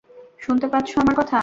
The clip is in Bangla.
শুনতে পাচ্ছো আমার কথা?